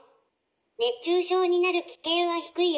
熱中症になる危険は低いよ。